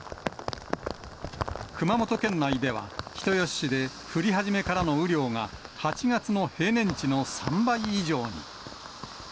熊本県内では、人吉市で、降り始めからの雨量が、８月の平年値の３倍以上に。